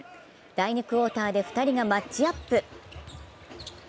第２クオーターで２人がマッチアップ。